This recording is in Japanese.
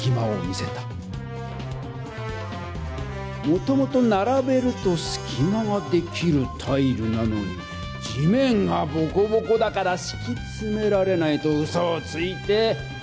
もともとならべるとすきまができるタイルなのに「地面がボコボコだからしきつめられない」とうそをついて。